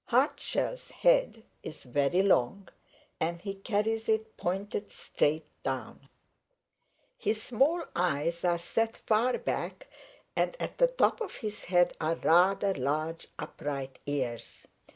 "Hardshell's head is very long and he carries it pointed straight down. His small eyes are set far back, and at the top of his head are rather large upright ears.